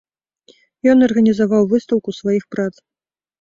Ён арганізаваў выстаўку сваіх прац.